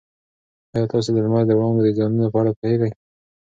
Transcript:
ایا تاسي د لمر د وړانګو د زیانونو په اړه پوهېږئ؟